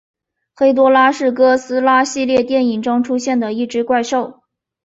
黑多拉是哥斯拉系列电影中出现的一只怪兽。